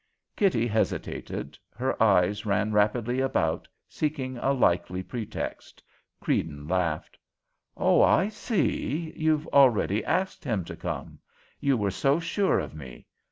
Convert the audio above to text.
Kitty hesitated. Her eyes ran rapidly about, seeking a likely pretext. Creedon laughed. "Oh, I see. You've already asked him to come. You were so sure of me!